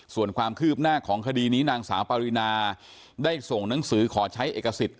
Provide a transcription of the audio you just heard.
ส่วนความคืบหน้าของคดีนี้นางสาวปารินาได้ส่งหนังสือขอใช้เอกสิทธิ